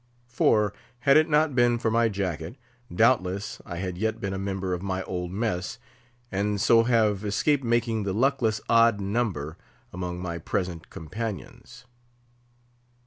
For, had it not been for my jacket, doubtless, I had yet been a member of my old mess, and so have escaped making the luckless odd number among my present companions.